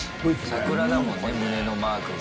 桜だもんね、胸のマークが。